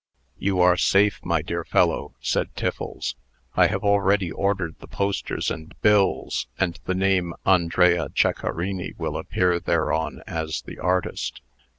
"You are safe, my dear fellow," said Tiffles. "I have already ordered the posters and bills; and the name of Andrea Ceccarini will appear thereon as the artist.